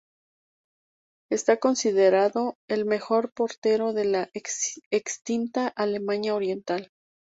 Está considerado el mejor portero de la extinta Alemania Oriental.